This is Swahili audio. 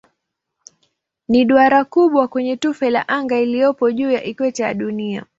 Ni duara kubwa kwenye tufe la anga iliyopo juu ya ikweta ya Dunia.